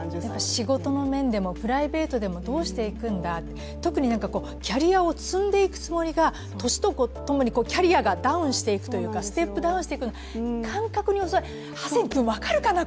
仕事の面でもプライベートでもどうしていくんだ、特にキャリアを積んでいくつもりが年とともにキャリアがダウンしていくというかステップダウンしていくような感覚に襲われる、ハセン君分かるかな？